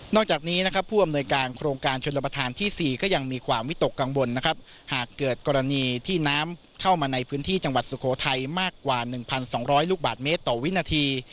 จากนี้นะครับผู้อำนวยการโครงการชนรับประทานที่๔ก็ยังมีความวิตกกังวลนะครับหากเกิดกรณีที่น้ำเข้ามาในพื้นที่จังหวัดสุโขทัยมากกว่า๑๒๐๐ลูกบาทเมตรต่อวินาที